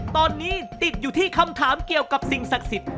ตอนนี้ติดอยู่ที่คำถามเกี่ยวกับสิ่งศักดิ์สิทธิ